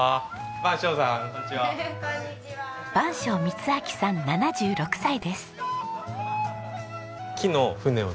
番匠光昭さん７６歳です。